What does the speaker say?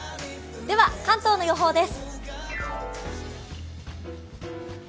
では、関東の予報です。